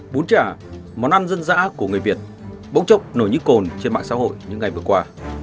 bún chả món ăn dân dã của người việt bỗng chốc nổi như cồn trên mạng xã hội những ngày vừa qua